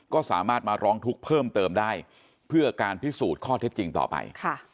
ก็สามารถมาร้องทุกข์เพิ่มเติมได้เพื่อการพิสูจน์ข้อเท็จจริงต่อไป